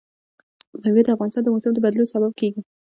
مېوې د افغانستان د موسم د بدلون سبب کېږي.